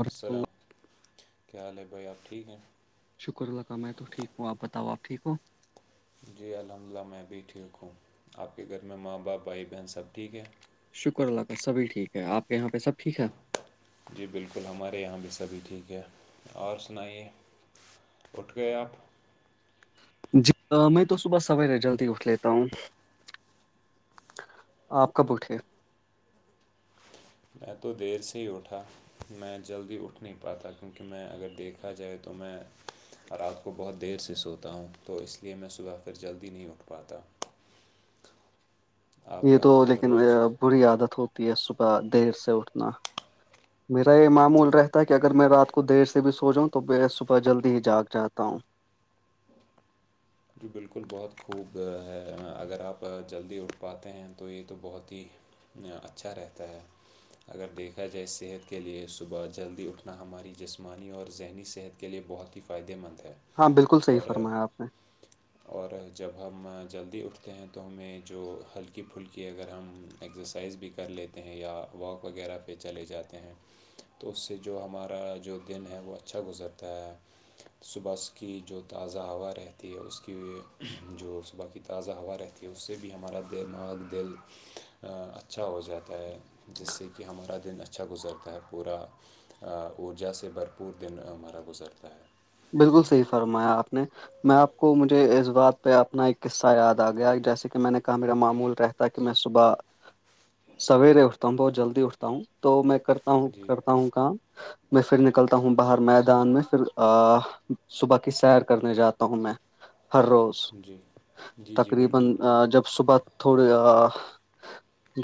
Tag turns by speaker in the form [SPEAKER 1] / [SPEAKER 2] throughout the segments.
[SPEAKER 1] ورحمۃ اللہ
[SPEAKER 2] السلام کیا حال ہے بھائی آپ ٹھیک ہیں
[SPEAKER 1] شکر اللہ کاا میں تو ٹھیک ہوں آپ بتاؤ آپ ٹھیک ہ ہو
[SPEAKER 2] جی الحمد للہ میں بھی ٹھیک ہوں آپ کے گھر میں ماں باپ بھائی بہن سب ٹھیک ہیں
[SPEAKER 1] شکر اللہ کا سبھی ٹھیک ہے آپ کے یہاں پہ سب ٹھیک ہے
[SPEAKER 2] جی بالکل ہمارے یہاں بھی سبھی ٹھیک ہے اور سنائیے اٹھ گئے آپ
[SPEAKER 1] میں تو صبح سویر جلدی اٹھ لیتا ہوں آپ کب اٹھے
[SPEAKER 2] میں تو دیر سے ہی اٹھا میں جلدی اٹھ نہیں پاتا کیونکہ میں اگر دیکھا جائے تو میں اور آپ کو بہت دیر سے سوتا ہوں تو اس لیے میں صبح پھر جلدی نہیں اٹھ پاتا آپ
[SPEAKER 1] یہ تو لیکن
[SPEAKER 2] روز
[SPEAKER 1] بری عادت ہوتی ہے صبح دیر سے اٹھنا میرا یہ معمول رہتا ہے کہ اگر میں رات کو دیر سے بھی سو جاؤں تو میں صبح جلدی ہی جاگ جاہتا ہوں
[SPEAKER 2] جو بالکل بہت خوب ہے اگر آپ جلدی اٹھ پاتے ہیں تو یہ تو بہت ہی اچھا رہتا ہے اگر دیکھا جائے صحت کے لیے صبح جلدی اٹھنا ہماری جسمانی اور ذہنی صحت کے لیے بہت ہی فائدے مند ہے
[SPEAKER 1] ہاں بالکل صحیح
[SPEAKER 2] اور
[SPEAKER 1] فرمایا آپ نے
[SPEAKER 2] اور جب ہم جلدی اٹھتے ہیں تو ہمیں جو ہلکی پھلکی اگر ہم ایکسرسائز بھی کر لیتے ہیں یا واک وغیرہ پہ چلے جاتے ہیں تو اس سے جو ہمارا جو دن ہے وہ اچھا گزرتا ہے صبح اس کی جو تازہ آوار ہے تی اس کی جو صبح کی تازہ ہوا رہتی ہے اس سے بھی ہمارا دماغ دل اچھا ہو جاتا ہے جس سے کہ ہمارا دن اچھا گزرتا ہے پورا اجا سے بھرپور دن ہمارا گزرتا ہے
[SPEAKER 1] بالکل صحیح فرمایا آپ نے میں آپ کو مجھ مجھے اس بات پہ اپنا ایک قصہ یاد آ گیا جیسے کہ میں نے کہا میرا معمول رہتا کہ میں صبح
[SPEAKER 2] سہی
[SPEAKER 1] سویرے اٹھتا ہوں بہت جلدی اٹھ ہوں تو میں کرتا ہوں
[SPEAKER 2] جی
[SPEAKER 1] کرتا ہوں کام میں پھر نکلتا ہوں باہر میدان میں پھر صبح کی سیر کرنے جاتا ہوں میں ہر روز
[SPEAKER 2] جی جی جی
[SPEAKER 1] تقریبا
[SPEAKER 2] بالکل بالکل
[SPEAKER 1] جب صبح تھوڑے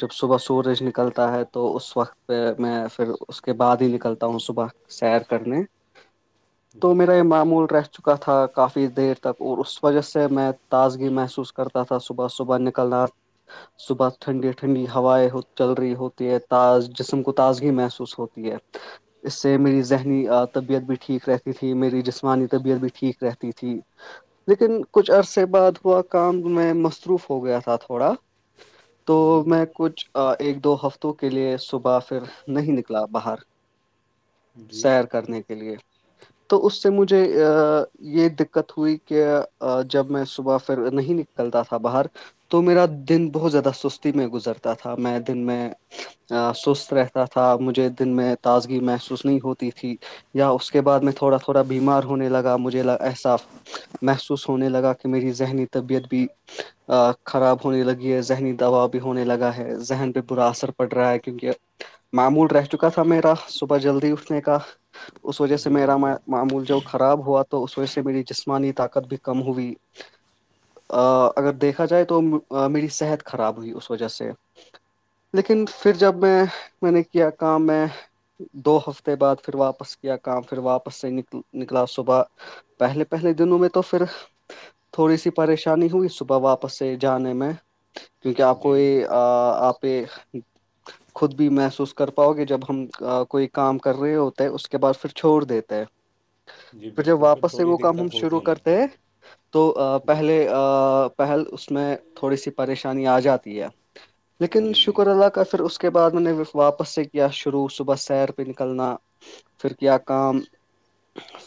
[SPEAKER 1] جب صبح سورج نکلتا ہے تو اس وقت پہ میں پھر اس کے بعد ہی نکلتا ہوں صبح سیر کرنے تو
[SPEAKER 2] جی
[SPEAKER 1] میرا یہ معمول رہ چکا کا تھا کافی دیر تک اور اس وجہ سے میں تازگی محسوس کرتا تھا صبح صبح نکلنا صبح ٹھنڈی ٹھنڈی ہوائیں چل رہی ہوتی ہے تاز جسم کو تازگی محسوس ہوتی اس سے میری ذہنی طبیعت بھی ٹھیک رہتی تھی میری جسمانی طبیعت بھی ٹھیک رہتی تھی لیکن کچھ عرصے بعد ہوا کام میں مصروف ہو گیا تھا تھوڑا تو
[SPEAKER 2] جی
[SPEAKER 1] میں کچھ ایک دو ہفتوں کے لیے صبح پھر نہیں نکلا باہر
[SPEAKER 2] جی
[SPEAKER 1] سیر کرنے کے لیے تو اس سے مجھے یہ دقت ہوئی کہ جب میں صبح پھر نہیں نکلتا تھا باہر تو میرا دن بہت زیادہ سستی میں گزرتا تھا میں دن میں سست رہتا تھا مجھے دن میں تازگی محسوس نہیں ہوتی تھی یا اس اس کے بعد میں تھوڑا تھوڑا بیمار ہونے لا مجھے احساس محسوس ہونے لگا کہ میری ذہنی طبیعت بھی خراب ہونے لگی ہے ذہنی دباؤ بھی ہونے لگا ہے ذہن پہ برا اثر پڑ رہا ہے کیونکہ معمول رہ چکا تھا میرا صبح جلدی اٹھنے کا اس وجہ سے
[SPEAKER 2] جی
[SPEAKER 1] میرا
[SPEAKER 2] بالکل
[SPEAKER 1] معمول جو خراب ہوا تو اس وجہ سے میری جسمانی طاقت بھی کم ہوئی اگر دیکھا جائے تو میری صحت خراب ہوئی اس وجہ سے لیکن پھر جب میں میں نے کیا کام میں دو ہفتے بعد پھر واپس یا کام پھر واپس سے نک نکلا صبح پہلے پہلے دنوں میں تو پھر تھوڑی سی پریشانی ہوئی صبح واپس سے جانے میں کیونکہ آپ کو
[SPEAKER 2] جی
[SPEAKER 1] یہ آپ یہ خود بھی محسوس کر پاؤ گے جب ہم کوئی کام کر رہے ہوتے ہیں اس کے بعد پھر چھوڑ دیتے ہے
[SPEAKER 2] جی
[SPEAKER 1] پھر جب
[SPEAKER 2] بالکل
[SPEAKER 1] واپس سے
[SPEAKER 2] تھوڑی
[SPEAKER 1] وہ کام ہم
[SPEAKER 2] دقت
[SPEAKER 1] شروع
[SPEAKER 2] ہونے
[SPEAKER 1] کرتے
[SPEAKER 2] لگتی
[SPEAKER 1] ہیں
[SPEAKER 2] ہے
[SPEAKER 1] تو
[SPEAKER 2] جی
[SPEAKER 1] پہلے پہلے اس میں تھوڑی سی پریشانی آ جاتی ہے لیکن
[SPEAKER 2] جی جی
[SPEAKER 1] شکر اللہ کا پھر اس کے بعد میں نے واپس سے کیا شروع صبح سیر پہ نکلنا پھر کیا کام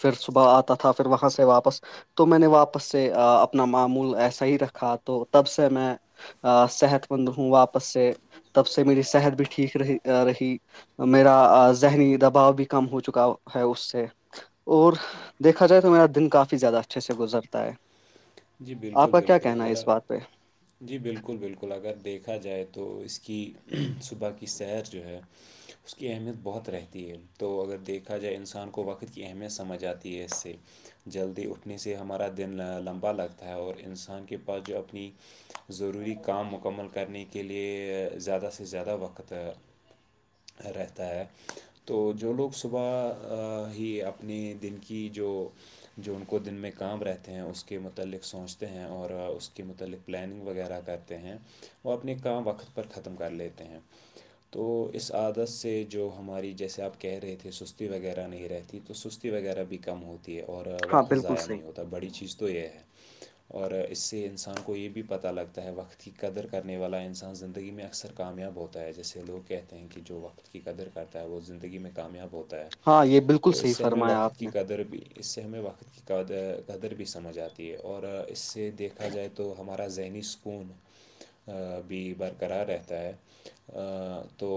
[SPEAKER 1] پھر صبح آتا تھا پھر وہاں سے واپس تو میں نے واپس سے اپنا معمول ایسا ہی رکھا تو تب سے میں صحت مند ہوں آپ سے تب سے میری صحت بھی ٹھیک رہی رہی میرا ذہنی دباؤ بھی کم ہو چکا ہے اس سے اور دیکھا جائے تو میرا دن کافی کافی زیادہ اچھے سے گزرتا ہے
[SPEAKER 2] جی
[SPEAKER 1] آپ
[SPEAKER 2] بالکل
[SPEAKER 1] کا کیا
[SPEAKER 2] بالکل
[SPEAKER 1] کہنا ہے
[SPEAKER 2] اگر
[SPEAKER 1] اس بات پہ
[SPEAKER 2] جی بالکل بالکل اگر دیکھا جائے تو اس کی صبح کی سیر جو ہے اس کی اہمیت بہت رہتی ہے تو اگر دیکھا جائے انسان کو وقت کی اہمیت سمجھ آتی ہے اس سے جلدی اٹھنے سے ہمارا دن لمبا لگتا تھا اور انسان کے پاس جو اپنی ضروری کام مکمل کر کرنے کے لیے زیادہ سے زیادہ وقت رہتا ہے تو جو لوگ صبح ہی اپنے دن کی جو جو ان کو دن میں کام رہتے ہیں اس کے مطلب متعلق سوچتے ہیں اور اسک متعلق پلاننگ وغیرہ کرتے ہیں وہ اپنے کام وقت پر ختم کر لیتے ہیں تو اس عادت سے جو ہماری جیسے آپ کہہ رہے تھے سستی وغیرہ نہیں رہتی تی تو سستی وغیرہ بھی کم ہوتی ہے اور
[SPEAKER 1] ہاں
[SPEAKER 2] وقت
[SPEAKER 1] بالکل
[SPEAKER 2] ضائع
[SPEAKER 1] صحیح
[SPEAKER 2] نہیں ہوتا بڑی چیز تو یہ ہے اور اس سے انسان کو یہ بھی پتہ لگتا ہے وقت کی قدر کرنے والا انسان زندگی میں اکثر کامیاب ہوتا ہے جیسے لوگ کہتے ہیں کہ جو وقت کی قدر کرتا ہے وہ زندگی میں کامیاب ہوتا ہے ہے
[SPEAKER 1] ہاں یہ بالکل
[SPEAKER 2] تو اس
[SPEAKER 1] صحیح
[SPEAKER 2] سے ہمیں
[SPEAKER 1] فرمایا
[SPEAKER 2] وقت
[SPEAKER 1] آپ
[SPEAKER 2] کی
[SPEAKER 1] نے
[SPEAKER 2] قدر بھی اس سے ہمیں وقت کی قدر قدر بھی سمجھ آتی ہے اور اس سے دیکھا جائے تو ہمار زہنی سکون بھی برقرار رہتا ہے تو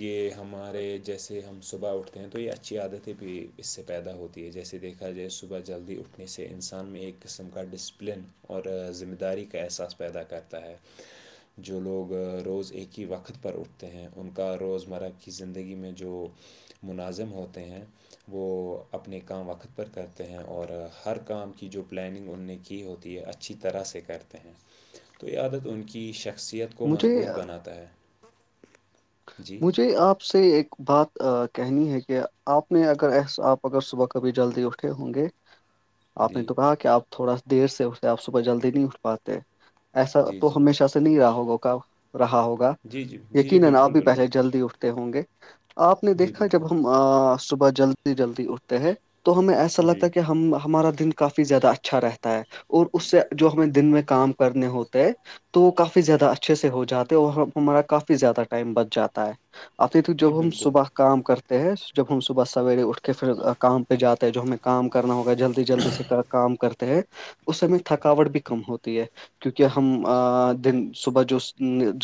[SPEAKER 2] یہ ہمارے جیسے ہم صبح اٹھتے ہیں تو یہ اچھی عادتیں بھی اس سے پیدا ہوتی ہیں جیسے دیکھا جائے صبح جلدی اٹھنے سے انسان میں ایک قسم کا ڈسپلن اور ذمہ داری کا احساس پیدا کرتا ہے جو لوگ روز ایک ہی وقت پر اٹھتے ہیں ان کا روزمرہ کی زندگی میں جو مناظم ہوتے ہیں وہ اپنے کام وقت پر کرتے ہیں اور ہر کام کی جو پلاننگ ان نے کی ہوتی ہے اچھی طرح سے کرتے ہیں تو یہ عادت ان کی شخصیت کو
[SPEAKER 1] مجھے
[SPEAKER 2] مضبوط بناتا ہے جی
[SPEAKER 1] مجھے آپ سے ایک بات کہنی ہے کہ آپ نے اگر ایس آپ اگر صبح کبھی جلدی اٹھے ہوں گے آپ نے
[SPEAKER 2] جی
[SPEAKER 1] تو کہا کہ آپ تھوڑا سا دیر سےے آپ صبح جلدی نہیں اٹھ پاتے ایسا
[SPEAKER 2] جی
[SPEAKER 1] تو
[SPEAKER 2] جی
[SPEAKER 1] ہمیشہ سے نہیں رہا ہوگا کا رہا ہوگا
[SPEAKER 2] جی جی جی جی
[SPEAKER 1] یقیناً آپ
[SPEAKER 2] بالکل بالکل
[SPEAKER 1] پہلے جلدی اٹھتے ہوں گے آپ نے
[SPEAKER 2] جی
[SPEAKER 1] دیکھا
[SPEAKER 2] بالکل
[SPEAKER 1] جب ہم صبح جلدی جلدی اٹھتے ہیں تو ہمیں ایسا
[SPEAKER 2] جی
[SPEAKER 1] لگتا ہے کہ ہم ہمارا دن کافی زیادہ اچھا رہتا ہے اور اس سے جو ہمیں دن میں کام کرنے ہوتے تو وہ کافی زیادہ اچھے سے ہو جاتے اور ہمارا کافی زیادہ ا ٹائم بچ جاتا ہے آتے تک
[SPEAKER 2] جی
[SPEAKER 1] جب ہم
[SPEAKER 2] بالکل
[SPEAKER 1] صبح کام کرتے ہیں جب ہم صبح سویرے اٹھ کے پھر کام پہ جاتا ہے جو ہمیں کام کرنا ہوگا جلدی جلدی سے کام کر ہیں اس میں تھکاوٹ بھی کم ہوتی ہے کیونکہ ہم دن صبح جو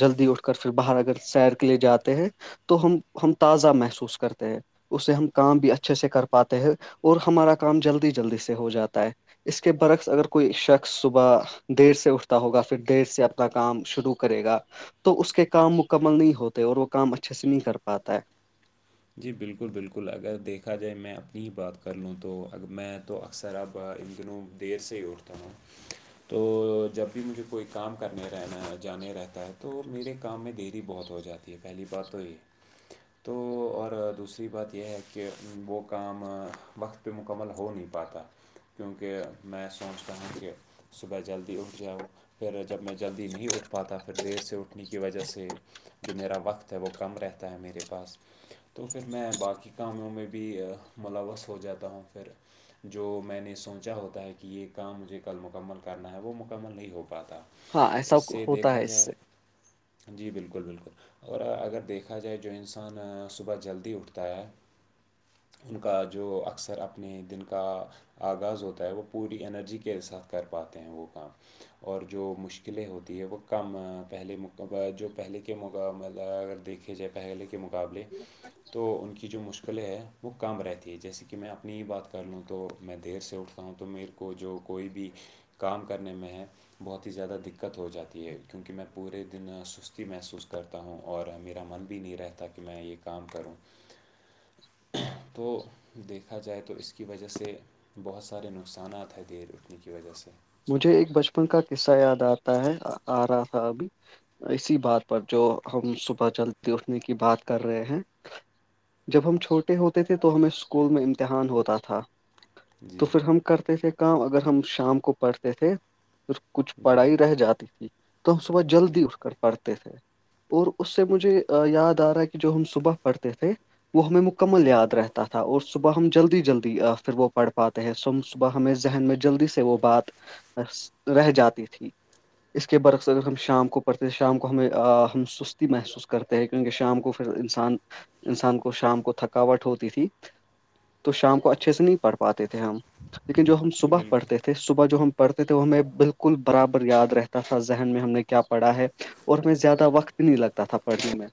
[SPEAKER 1] جلدی اٹھ کر پھر باہر اگر سیر کے لیے جاتے ہیں تو ہم ہم تازہ محسوس کرتے ہیں اسے ہم کام بھی اچھے سے کر پاتے ہیں اور ہمارا کام جلدی جلدی سے ہو جاتا ہے اس کے برعکس اگر کوئی شخص صبح دیر سے اٹھتا ہوگا پھر دیر سے اپنا کام شروع کرے گا تو اس کے کام مکمل نہیں ہوتے اور وہ کام اچھے سے نہیں کر پاتا ہے
[SPEAKER 2] جی بالکل بالکل اگر دیکھا جائے میں اپنی ہی بات کر لوں تو اگر میں تو اکثر اب ان دنوں دیر سے ہی اٹتا ہوں تو جب بھی مجھے کوئی کام کرنے رہنا ہے جانے رہتا ہے تو میرے کام میں دیری بہت ہو جاتی ہے پہلی بات تو یہ تو اور دوسری بات یہ ہے کہ وہ کام وقت پہ مکمل ہو نہیں پاتا کیونکہ میں سوچتا ہوں کہ صبح جلدی اٹھ جاؤ پھر جب میں جلدی نہیں اٹھ پاتا پھر دیر سے اٹھنے کی وجہ سے جو میرا وقت ہے وہ کم رہتا ہے میرے پاس تو پھر میں باقی کاموں میں بھی ملوث ہو جاتا ہوں پھر جو میں نے سوچا ہوتا ہے کہ یہ کام مجھے کل مکمل کرنا ہے وہ مکمل نہیں ہو پاتا
[SPEAKER 1] ہاں ایسا
[SPEAKER 2] اس سے
[SPEAKER 1] ہوتا
[SPEAKER 2] دیکھا
[SPEAKER 1] ہے اس
[SPEAKER 2] جائے
[SPEAKER 1] سے
[SPEAKER 2] جی بالکل بالکل اور ا دیکھا ج ان جلدی اٹھتا ہے ان کا جو اکثر اپنے دن کا آغاز ہوتا ہے وہ پوری انرجی کے ساتھ کر پاتے ہیں وہ کام اور جو مشکلیں ہوتی ہے وہ کم پہلے جو پہلے کے مقابلہ اگر دیکھیں جے پہلے کے مقابلے تو ان کی جو مشکلیں ہے وہ کم رہتی ہے جیسے کہ میں اپنی ہی بات کر لوں تو میں دیر سے اٹھتا ہوں تو میرے کو جو کوئی بھی کام کرنے میں ہے بہت ہی زیادہ دقت ہو جاتی ہے کیونکہ میں پورے دن سستی محسوس کرتا ہوں ہوں اور میرا من بھی نہیں رہتا کہ میں یہ کام کروں تو دیکھا جائے تو اس کی وجہ سے بہت سارے نقصانات ہیں دیر اٹھنے کی وجہ سے
[SPEAKER 1] مجھے ایک بچپن کا قصہ یاد آتا ہے آ رہا تھا ابھی اسی بات پر جو ہم صبح جلدی اٹھنے کی بات کر رہے ہیں جب ہم چھوٹے ہوتے تھے تو ہمیں اسکول میں امتحان ہوتا تھا تو
[SPEAKER 2] جی
[SPEAKER 1] پھر ہم کرتے تھے کام اگر ہم شام کو پڑھتے تھے پھر کچھ
[SPEAKER 2] جی
[SPEAKER 1] پڑھائی رہ جاتی تھی تو ہم صبح
[SPEAKER 2] جی
[SPEAKER 1] جلدی اٹھ کر پڑھتے تھے اور اس سے مجھے یاد آ رہا ہے کہ جو ہم صبح پڑھتے تھے وہ ہمیں مکمل
[SPEAKER 2] جی
[SPEAKER 1] یاد رہتا تا تھا اور صبح ہم جلدی جلدی پھر وہ پڑھ پاتے ہیں س صبح ہمیں ذہن میں جلدی سے وہ بات رہ جاتی تھی اس کے برعکس اگر ہم شام کو پڑھتے ہیں شام کو ہمیں ہم سستی محسوس کرتے ہیں کیونکہ شام کو پھر انسان انسان کو شام کو تھکاوٹ ہوتی تھی تو شام کو اچھے سے نہیں پڑھ پاتے تھے ہم لیکن جو ہم
[SPEAKER 2] جی
[SPEAKER 1] صبح
[SPEAKER 2] بالکل
[SPEAKER 1] پڑھتے تھے صبح جو ہم پڑھتے تھے وہ ہمیں بالکل برابر یاد رہتا تھا ذہن میں ہم نے کیا پڑھا ہے اور ہمیں زیادہ وقت نہیں لگتا تھا پڑھنے میں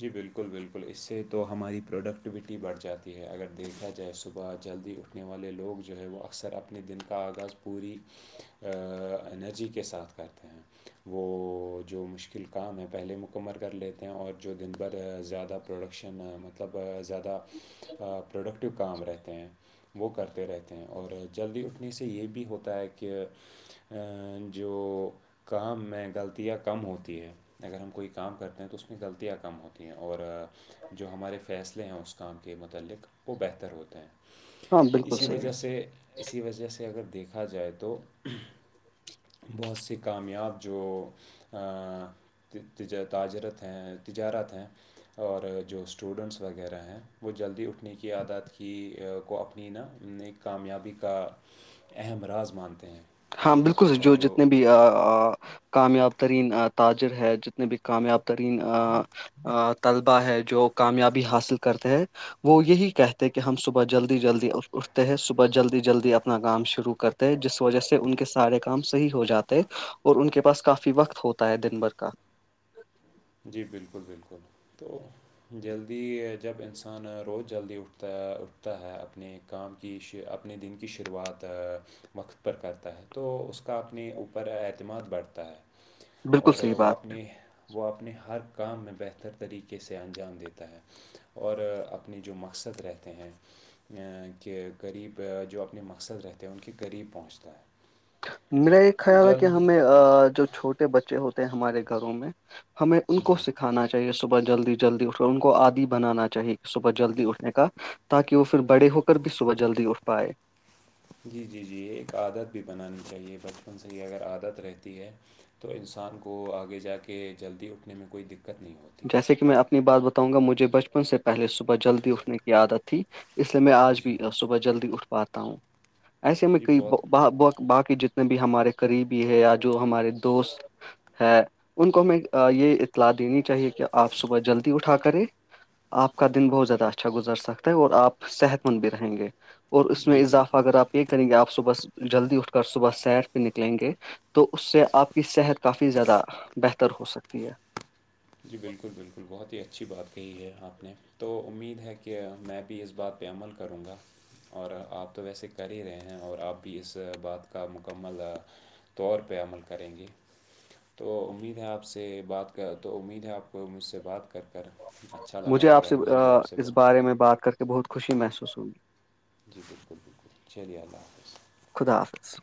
[SPEAKER 2] جی بالکل بالکل اس سے تو ہماری پروڈکٹیویٹی بڑھ جاتی ہے اگر دیکھا جائے صبح جلدی اٹھ رنے والے لوگ جو ہے وہ اکثر اپنے دن کا آغاز پوری انرجی کے ساتھ کرتے ہیں وہ جو مشکل کام ہے پہلے مکمر کر لیتے ہیں اور جو دن بھر زیادہ پروڈکشن مطلب زیادہ پروڈکٹیو کام رہتے ہیں وہ کرتے رہتے ہیں اور جلدی اٹھنے سے یہ بھی ہوتا ہے کہ جو کام میں غلطیاں کم ہوتی ہیں اگر ہم کوئی کام کرتے ہیں تو اس میں غلطی تیاں کم ہوتی ہیں اور جو ہمارے فیصلے ہیں اس کام کے متعلق وہ بہتر ہوتے
[SPEAKER 1] ہاں
[SPEAKER 2] ہیں
[SPEAKER 1] بالکل
[SPEAKER 2] اسی
[SPEAKER 1] صحیح
[SPEAKER 2] وجہ سے اسی وجہ سے اگر دیکھا جائے تو بہت سے کامیاب جو تج تاجرت ہیں تجارت ہیں اور جو اسٹوڈنٹس وغیرہ ہیں وہ جلدی اٹھنے کی عادات کی کو اپنی نہا نے کامیابی کا اہم راز مانتے ہیں
[SPEAKER 1] ہاں
[SPEAKER 2] کیونکہ دیکھا
[SPEAKER 1] بالکل
[SPEAKER 2] جائے
[SPEAKER 1] جو جتنے بھی کامیاب ترین تاجر ہے جتنے بھی کامیاب ترین طلبہ ہے جو کامیابی حاصل کرتے ہیں وہ یہی کہتے کہ ہم صبح جلدی جلدی اٹھتے ہیں صبح جلدی جلدی اپنا کام شروع کرتے جس وجہ سے ان کے سارے کام صحی ہو جاتے اور ان کے پاس کافی وقت ہوتا ہے دن بھر کا
[SPEAKER 2] جی بالکل بالکل تو جلدی جب انسان روز جلدی اٹھتا ہے اٹھتا ہے اپنے ایک کام کی اپنے دن کی شروعات وقت پر کرتا ہے تو اس کا اپنے اوپر اعتماد بڑھتا ہے
[SPEAKER 1] بالکل
[SPEAKER 2] اور
[SPEAKER 1] صحیح
[SPEAKER 2] وہ
[SPEAKER 1] بات
[SPEAKER 2] آپ نے وہ آپ اپنے ہر کام میں بہتر طریقے سے انجام دیتا ہے اور اپنے جو مقصد رہتے ہیں کہ غریب جو اپنے مقصد رہتے ہیں ان کے قریب پہنچتا ہے
[SPEAKER 1] میرا ایک
[SPEAKER 2] تو
[SPEAKER 1] خیال ہے کہ
[SPEAKER 2] جلدی
[SPEAKER 1] ہمیں جو چھوٹے بچے ہوتے ہیں ہمارے گھروں میں ہمیں ان کو
[SPEAKER 2] جی
[SPEAKER 1] سکھانا چاہیے چاہے صبح جلدی جلدی اٹ کر ان کو آدی بنانا چاہے کہ صبح جلدی اٹھنے کا تاکہ وہ پھر بڑے ہو کر بھی صبح جلدی اٹھ پائے
[SPEAKER 2] جی جی جی ایک عادت بھی بنانی چاہیے بچپن سے ہی اگر عادت رہتی ہے تو انسان کو آگے جا کے جلدی اٹھنے میں کوئی دقت نہیں ہوتی
[SPEAKER 1] جیسے کہ میں اپنی بات بتاؤں گا مجھے بچپن سے پہلے صبح جلدی اٹھنے کی عادت تھی اس لیے میں آج
[SPEAKER 2] جی
[SPEAKER 1] بھی صبح جلدی اٹھ پاتا ہوں ایسے میں
[SPEAKER 2] جی
[SPEAKER 1] کئی
[SPEAKER 2] بہت
[SPEAKER 1] ب باقی جتنے بھی ہمارے قریبی ہے یا جو ہمارے دوست ہے ان کو ہمیں یہ اطلاع دینی چاہیے کہ آپ صبح جلدی اٹھا کرے آپ کا دن بہت زیادہ اچھا گزر سکتا ہے اور آپ صحت مند بھی رہیں گے اور اس
[SPEAKER 2] جی
[SPEAKER 1] میں اضافہ
[SPEAKER 2] بالکل
[SPEAKER 1] اگر آپ یہ کریں گے آپ صبح جلدی اٹھ کر صبح سیر پہ نکلیں گے تو اس سے آپ کی صحت کافی زیادہ بہتر ہو سکتی ہے
[SPEAKER 2] جی بالکل بالکل بہت ہی اچھی بات کہی ہے آپ نے تو امید ہے کہ میں بھی اس بات پہ عمل کروں گا اور آپ تو ویسے کر ہی رہے ہیں اور آپ بھی اس بات کا مکمل طور پہ عمل کریں گے تو امید ہے آپ سے بات کا تو امید ہے آپ کو مجھ سے بات کر کر اچھا لگا
[SPEAKER 1] مجھے آپ
[SPEAKER 2] ہوگا
[SPEAKER 1] سے
[SPEAKER 2] بھی آپ سے
[SPEAKER 1] اس
[SPEAKER 2] بات
[SPEAKER 1] بارے میں بات کر کے بہت خوشی محسوس ہوگی
[SPEAKER 2] جی بالکل بالکل چلیے اللہ حافظ
[SPEAKER 1] خدا حافظ